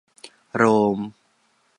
โรม